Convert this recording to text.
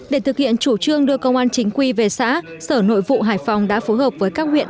để thực hiện chủ trương đưa công an chính quy về xã sở nội vụ hải phòng đã phối hợp với các huyện